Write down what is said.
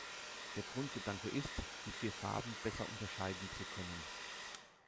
Der Grundgedanke ist, die vier Farben besser unterscheiden zu können.